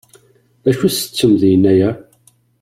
D acu i ttettem di Yennayer?